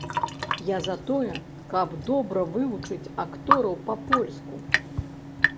Я за тое, каб добра вывучыць актораў па-польску!